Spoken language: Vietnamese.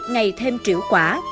ngày thêm triệu quả